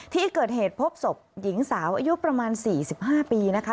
ที่เกิดเหตุพบศพหญิงสาวอายุประมาณ๔๕ปีนะคะ